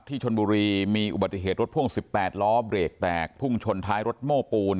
ชนบุรีมีอุบัติเหตุรถพ่วง๑๘ล้อเบรกแตกพุ่งชนท้ายรถโม้ปูน